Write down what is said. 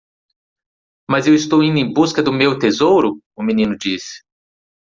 "Mas eu estou indo em busca do meu tesouro?" o menino disse.